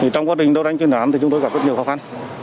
trong quá trình đấu đánh tiền đoán chúng tôi gặp rất nhiều khó khăn